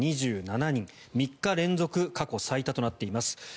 ３日連続過去最多となっています。